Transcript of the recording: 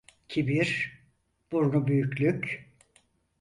Kibir, burnu büyüklük.